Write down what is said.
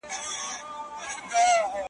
په لښکر د مریدانو کي روان وو ,